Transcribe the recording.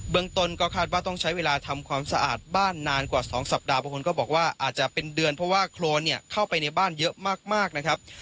ตนก็คาดว่าต้องใช้เวลาทำความสะอาดบ้านนานกว่า๒สัปดาห์บางคนก็บอกว่าอาจจะเป็นเดือนเพราะว่าโครนเนี่ยเข้าไปในบ้านเยอะมากนะครับ